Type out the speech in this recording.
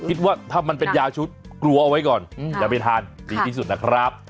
คิดว่าถ้ามันเป็นยาชุดกลัวเอาไว้ก่อนอย่าไปทานดีที่สุดนะครับ